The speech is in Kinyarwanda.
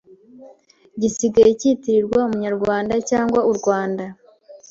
gisigaye cyitirirwa umunyarwanda cyangwa u Rwanda